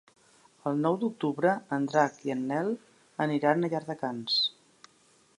El nou d'octubre en Drac i en Nel aniran a Llardecans.